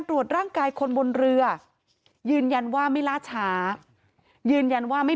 ตรวจร่างกายคนบนเรือยืนยันว่าไม่ล่าช้ายืนยันว่าไม่